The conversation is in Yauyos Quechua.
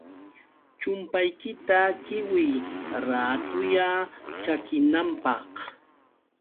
chumpaykita qiwiy raatulla chakinanpaq.